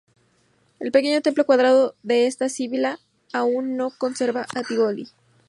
El pequeño templo cuadrado de esta sibila aún se conserva en Tívoli.